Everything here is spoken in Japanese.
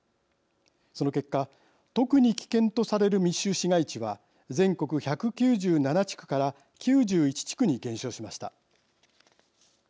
その結果、特に危険とされる密集市街地は全国１９７地区から９１地区に減少しました。